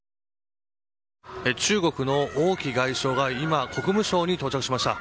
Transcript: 中国の王毅外相が今、国務省に到着しました。